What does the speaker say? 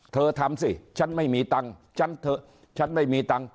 ทำสิฉันไม่มีตังค์ฉันเถอะฉันไม่มีตังค์